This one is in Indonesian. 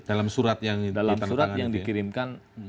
dalam surat yang dikirimkan